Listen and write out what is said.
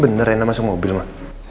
emang bener reina masuk mobil ma